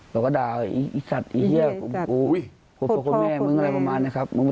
เราก็ด่าอีสัตว์